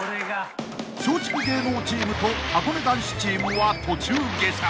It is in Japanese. ［松竹芸能チームとはこね男子チームは途中下車］